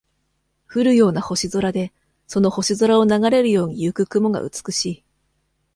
降るような星空で、その星空を流れるように行く雲が美しい。